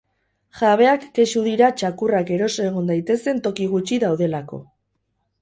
Jabeak kexu dira txakurrak eroso egon daitezen toki gutxi daudelako.